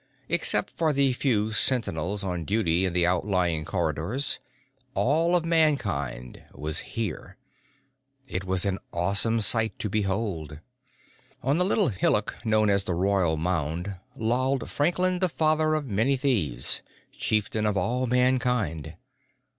Except for the few sentinels on duty in the outlying corridors, all of Mankind was here. It was an awesome sight to behold. On the little hillock known as the Royal Mound, lolled Franklin the Father of Many Thieves, Chieftain of all Mankind.